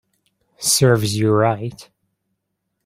Serves you right